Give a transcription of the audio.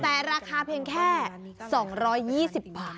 แต่ราคาเพียงแค่๒๒๐บาท